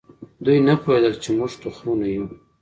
دوی نه پوهېدل چې موږ تخمونه یو.